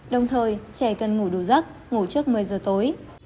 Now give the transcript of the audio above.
đồng thời trẻ cần ngủ đủ giấc ngủ trước một mươi giờ tối